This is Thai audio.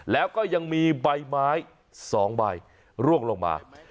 แล้วก็ยังมีใบไม้๒ใบร่วงลงมา